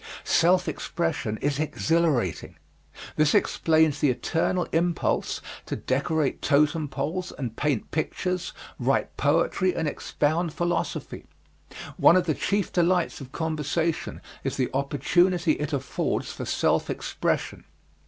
Self expression is exhilarating. This explains the eternal impulse to decorate totem poles and paint pictures, write poetry and expound philosophy. One of the chief delights of conversation is the opportunity it affords for self expression.